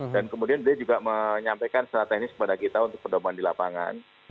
dan kemudian beliau juga menyampaikan secara teknis kepada kita untuk pendorongan di lapangan